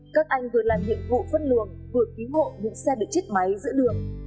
các anh vừa làm nhiệm vụ phân luồng vừa cứu hộ những xe bị chết máy giữa đường